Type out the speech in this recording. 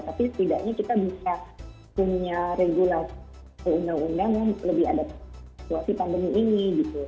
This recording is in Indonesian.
tapi setidaknya kita bisa punya regulasi undang undang yang lebih adat situasi pandemi ini